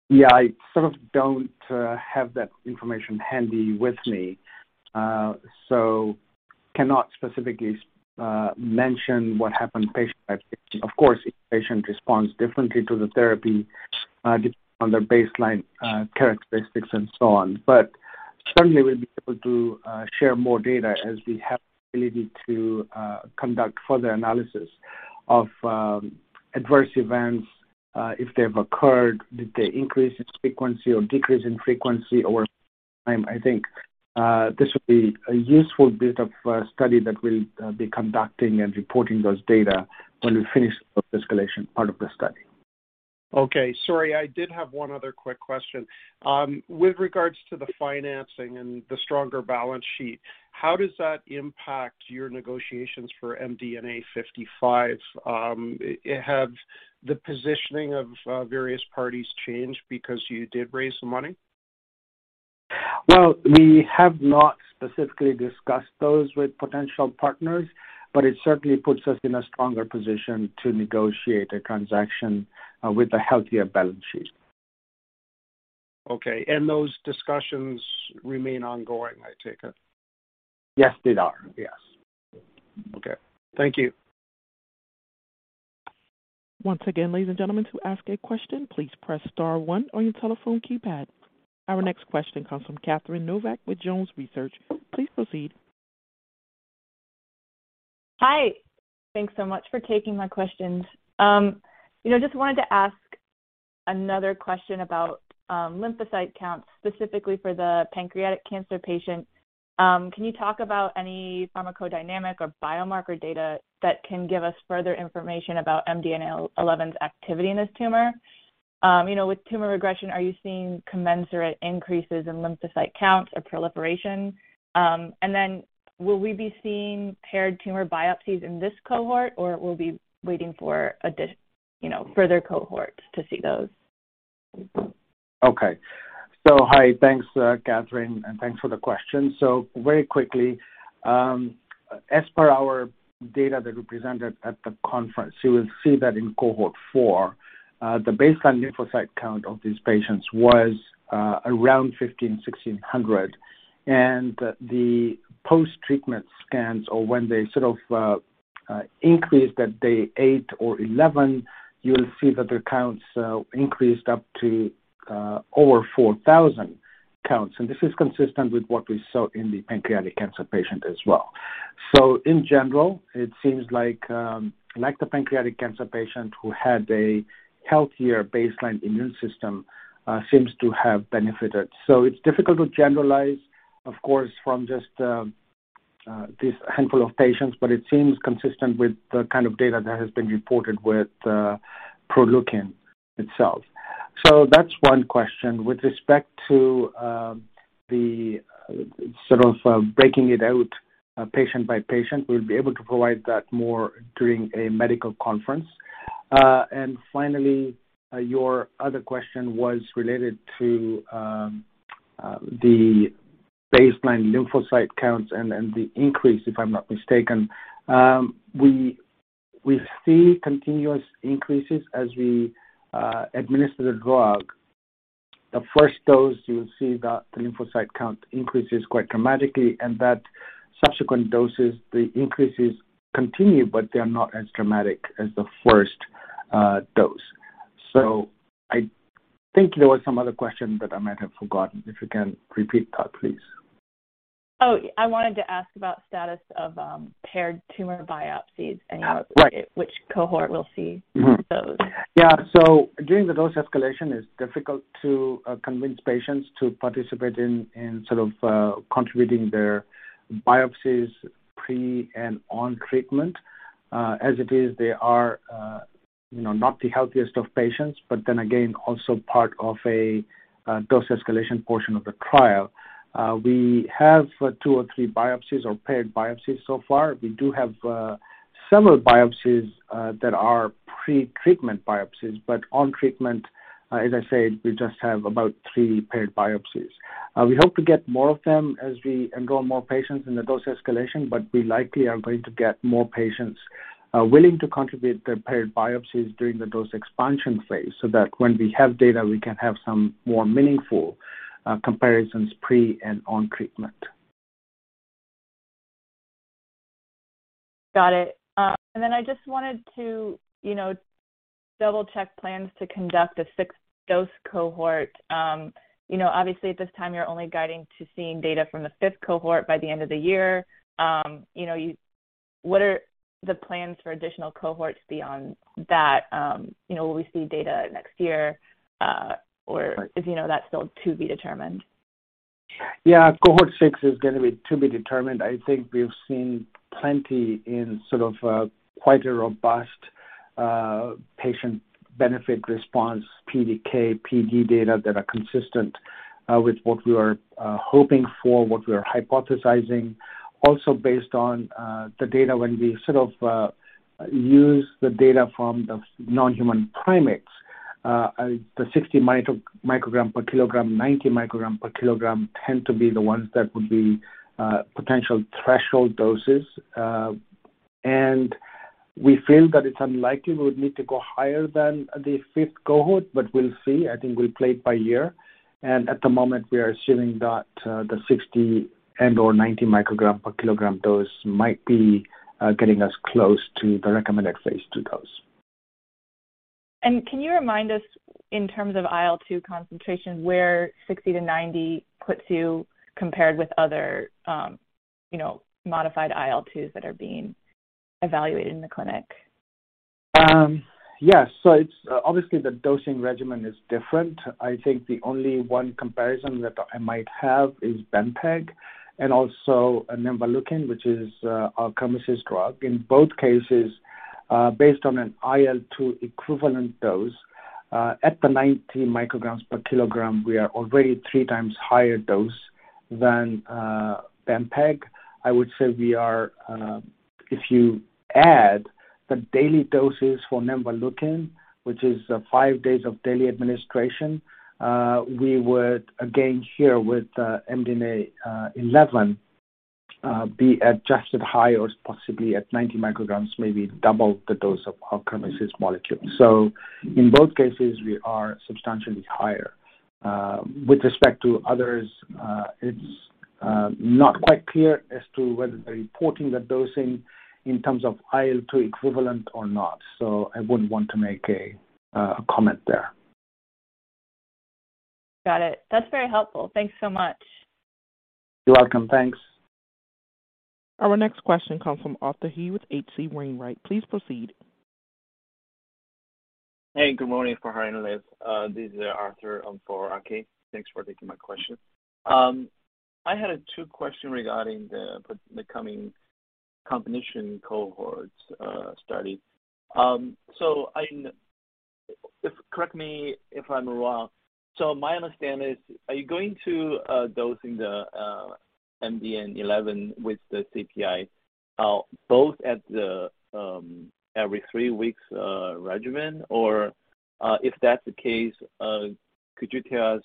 Yeah, I sort of don't have that information handy with me, so cannot specifically mention what happened patient by patient. Of course, each patient responds differently to the therapy, depending on their baseline characteristics and so on. Certainly, we'll be able to share more data as we have the ability to conduct further analysis of adverse events if they have occurred. Did they increase in frequency or decrease in frequency over time? I think this will be a useful bit of study that we'll be conducting and reporting those data when we finish the escalation part of the study. Okay. Sorry, I did have one other quick question. With regards to the financing and the stronger balance sheet, how does that impact your negotiations for MDNA55? Have the positioning of various parties changed because you did raise some money? Well, we have not specifically discussed those with potential partners, but it certainly puts us in a stronger position to negotiate a transaction with a healthier balance sheet. Okay. Those discussions remain ongoing, I take it? Yes, they are. Yes. Okay. Thank you. Once again, ladies and gentlemen, to ask a question, please press star one on your telephone keypad. Our next question comes from Catherine Novack with Jones Research. Please proceed. Hi. Thanks so much for taking my questions. You know, just wanted to ask another question about lymphocyte counts, specifically for the pancreatic cancer patient. Can you talk about any pharmacodynamic or biomarker data that can give us further information about MDNA11's activity in this tumor? You know, with tumor regression, are you seeing commensurate increases in lymphocyte counts or proliferation? Will we be seeing paired tumor biopsies in this cohort, or we'll be waiting for, you know, further cohorts to see those? Okay. Hi, thanks, Catherine, and thanks for the question. Very quickly, as per our data that we presented at the conference, you will see that in cohort four, the baseline lymphocyte count of these patients was around 1,500-1,600. The post-treatment scans, or when they sort of increased at day 8 or 11, you'll see that their counts increased up to over 4,000 counts. This is consistent with what we saw in the pancreatic cancer patient as well. In general, it seems like the pancreatic cancer patient who had a healthier baseline immune system seems to have benefited. It's difficult to generalize, of course, from just this handful of patients, but it seems consistent with the kind of data that has been reported with Proleukin itself. That's one question. With respect to the sort of breaking it out patient by patient, we'll be able to provide that more during a medical conference. And finally, your other question was related to the baseline lymphocyte counts and the increase, if I'm not mistaken. We see continuous increases as we administer the drug. The first dose, you'll see that the lymphocyte count increases quite dramatically and that subsequent doses, the increases continue, but they are not as dramatic as the first dose. I think there was some other question that I might have forgotten. If you can repeat that, please. Oh, I wanted to ask about status of paired tumor biopsies and? Yeah, right. which cohort we'll see. Mm-hmm. -those. During the dose escalation, it's difficult to convince patients to participate in sort of contributing their biopsies pre- and on-treatment. As it is, they are, you know, not the healthiest of patients, but then again, also part of a dose escalation portion of the trial. We have two or three biopsies or paired biopsies so far. We do have several biopsies that are pre-treatment biopsies. On treatment, as I said, we just have about three paired biopsies. We hope to get more of them as we enroll more patients in the dose escalation, but we likely are going to get more patients willing to contribute their paired biopsies during the dose expansion phase, so that when we have data, we can have some more meaningful comparisons pre- and on-treatment. Got it. Then I just wanted to, you know, double-check plans to conduct a sixth dose cohort. You know, obviously, at this time you're only guiding to seeing data from the fifth cohort by the end of the year. You know, what are the plans for additional cohorts beyond that? You know, will we see data next year, or is that still to be determined? Yeah. Cohort 6 is gonna be to be determined. I think we've seen plenty in sort of, quite a robust, patient benefit response, PK, PD data that are consistent, with what we were, hoping for, what we are hypothesizing. Also, based on, the data, when we sort of, use the data from the non-human primates, the 60 microgram per kilogram, 90 microgram per kilogram tend to be the ones that would be, potential threshold doses. We feel that it's unlikely we would need to go higher than the fifth cohort, but we'll see. I think we'll play it by ear. At the moment we are assuming that, the 60 and or 90 microgram per kilogram dose might be, getting us close to the recommended phase II dose. Can you remind us in terms of IL-2 concentration, where 60-90 puts you compared with other modified IL-2s that are being evaluated in the clinic? Yes. It's obviously the dosing regimen is different. I think the only one comparison that I might have is Bempeg and also nemvaleukin, which is Alkermes's drug. In both cases, based on an IL-2 equivalent dose, at the 90 micrograms per kilogram, we are already three times higher dose than Bempeg. I would say we are, if you add the daily doses for nemvaleukin, which is five days of daily administration, we would, again, here with MDNA11, be adjusted higher or possibly at 90 micrograms, maybe double the dose of Alkermes's molecule. In both cases we are substantially higher. With respect to others, it's not quite clear as to whether they're reporting the dosing in terms of IL-2 equivalent or not. I wouldn't want to make a comment there. Got it. That's very helpful. Thanks so much. You're welcome. Thanks. Our next question comes from Arthur He with H.C. Wainwright. Please proceed. Hey, good morning, Fahar Merchant. This is Arthur for RK. Thanks for taking my question. I had two questions regarding the coming combination cohorts study. Correct me if I'm wrong. My understanding is, are you going to dose the MDNA11 with the CPI both at the every three weeks regimen? Or, if that's the case, could you tell us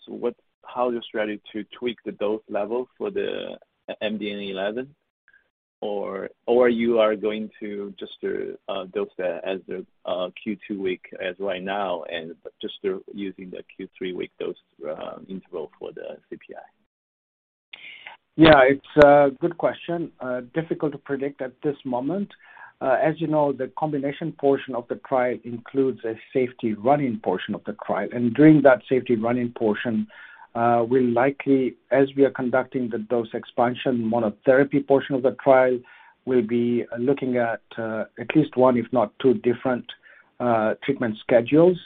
how your strategy to tweak the dose level for the MDNA11? Or you are going to just dose that as the Q2 week as right now and just using the Q3 week dose interval for the CPI? Yeah, it's a good question. Difficult to predict at this moment. As you know, the combination portion of the trial includes a safety running portion of the trial. During that safety running portion, we'll likely, as we are conducting the dose expansion monotherapy portion of the trial, we'll be looking at at least one if not two different treatment schedules.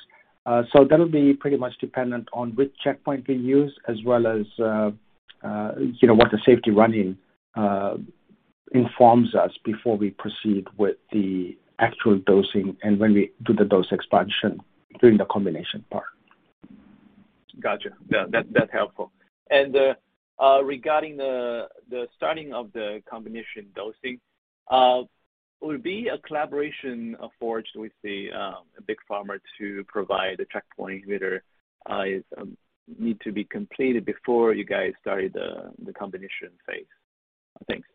So that'll be pretty much dependent on which checkpoint we use, as well as you know, what the safety running informs us before we proceed with the actual dosing and when we do the dose expansion during the combination part. Gotcha. Yeah, that's helpful. Regarding the starting of the combination dosing, will it be a collaboration forged with the Big Pharma to provide a checkpoint inhibitor, is need to be completed before you guys start the combination phase? Thanks.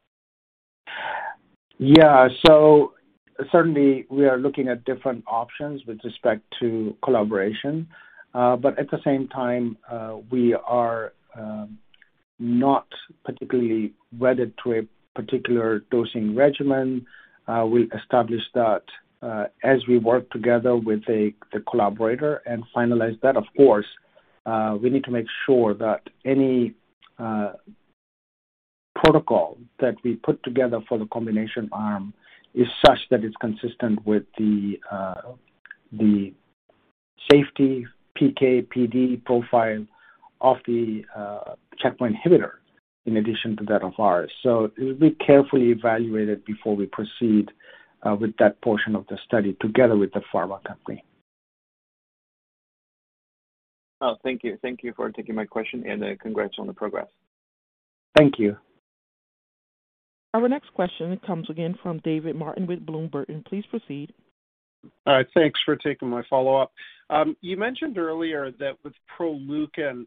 Yeah. Certainly we are looking at different options with respect to collaboration. At the same time, we are not particularly wedded to a particular dosing regimen. We'll establish that as we work together with the collaborator and finalize that, of course. We need to make sure that any protocol that we put together for the combination arm is such that it's consistent with the safety PK/PD profile of the checkpoint inhibitor in addition to that of ours. It will be carefully evaluated before we proceed with that portion of the study together with the pharma company. Oh, thank you. Thank you for taking my question, and congrats on the progress. Thank you. Our next question comes again from David Martin with Bloom Burton. Please proceed. All right. Thanks for taking my follow-up. You mentioned earlier that with Proleukin,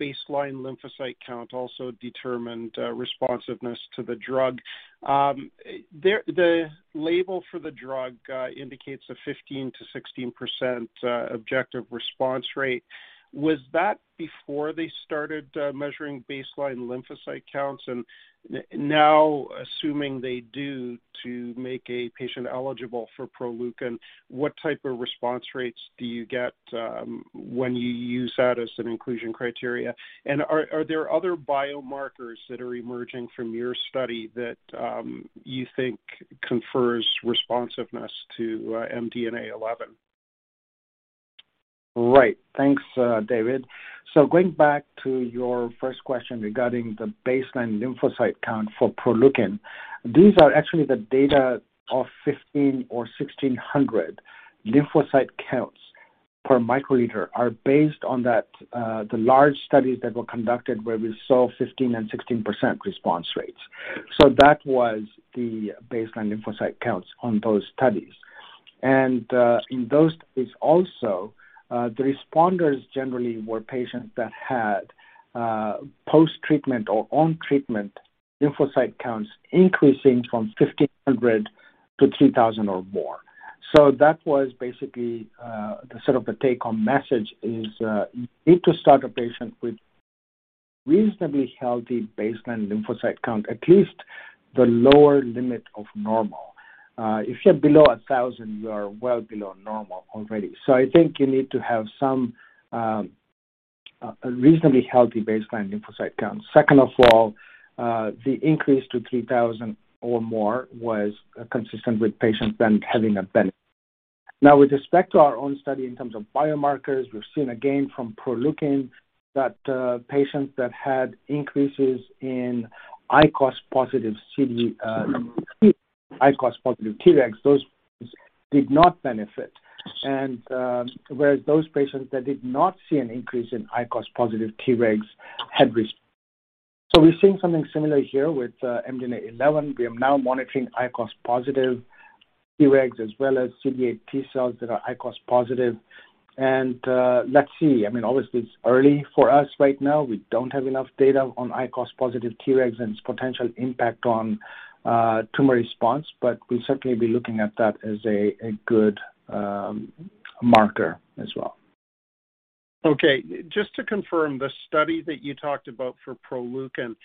baseline lymphocyte count also determined responsiveness to the drug. The label for the drug indicates a 15%-16% objective response rate. Was that before they started measuring baseline lymphocyte counts and now assuming they do to make a patient eligible for Proleukin, what type of response rates do you get when you use that as an inclusion criteria? Are there other biomarkers that are emerging from your study that you think confers responsiveness to MDNA11? Right. Thanks, David. Going back to your first question regarding the baseline lymphocyte count for Proleukin, these are actually the data of 1,500 or 1,600 lymphocyte counts per microliter are based on that, the large studies that were conducted where we saw 15% and 16% response rates. That was the baseline lymphocyte counts on those studies. In those studies also, the responders generally were patients that had, post-treatment or on treatment lymphocyte counts increasing from 1,500 to 2,000 or more. That was basically, the sort of the take-home message is, you need to start a patient with reasonably healthy baseline lymphocyte count, at least the lower limit of normal. If you're below 1,000, you are well below normal already. I think you need to have some a reasonably healthy baseline lymphocyte count. Second of all, the increase to 3,000 or more was consistent with patients then having a benefit. Now with respect to our own study in terms of biomarkers, we're seeing again from Proleukin that patients that had increases in ICOS positive Tregs, those did not benefit. Whereas those patients that did not see an increase in ICOS positive Tregs had response. We're seeing something similar here with MDNA11. We are now monitoring ICOS positive Tregs as well as CD8 T cells that are ICOS positive. Let's see. I mean, obviously it's early for us right now. We don't have enough data on ICOS positive Tregs and its potential impact on tumor response, but we'll certainly be looking at that as a good marker as well. Okay. Just to confirm, the study that you talked about for Proleukin,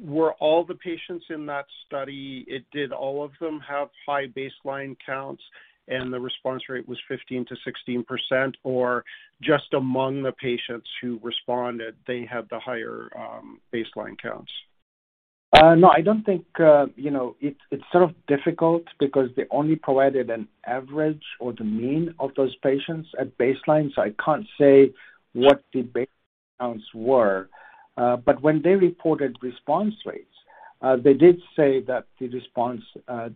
were all the patients in that study, did all of them have high baseline counts and the response rate was 15%-16%, or just among the patients who responded, they had the higher baseline counts? No, I don't think, you know, it's sort of difficult because they only provided an average or the mean of those patients at baseline, so I can't say what the base counts were. When they reported response rates, they did say that the response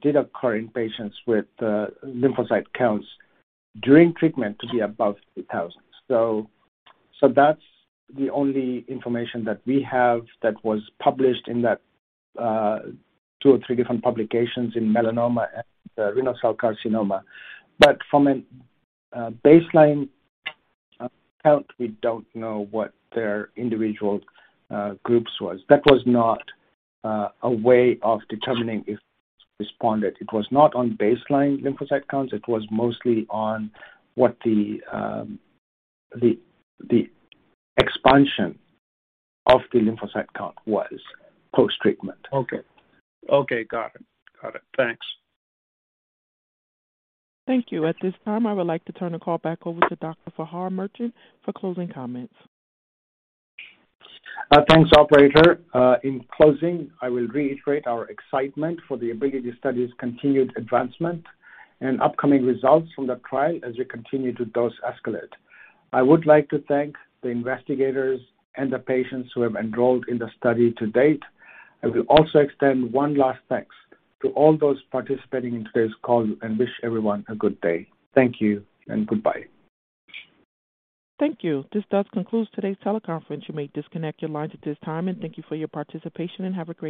did occur in patients with lymphocyte counts during treatment to be above 3,000. That's the only information that we have that was published in that two or three different publications in melanoma and renal cell carcinoma. From a baseline count, we don't know what their individual groups was. That was not a way of determining if responded. It was not on baseline lymphocyte counts. It was mostly on what the expansion of the lymphocyte count was post-treatment. Okay. Got it. Thanks. Thank you. At this time, I would like to turn the call back over to Dr. Fahar Merchant for closing comments. Thanks operator. In closing, I will reiterate our excitement for the ABILITY study's continued advancement and upcoming results from the trial as we continue to dose escalate. I would like to thank the investigators and the patients who have enrolled in the study to date. I will also extend one last thanks to all those participating in today's call and wish everyone a good day. Thank you and goodbye. Thank you. This does conclude today's teleconference. You may disconnect your lines at this time. Thank you for your participation and have a great day.